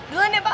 duluan ya pak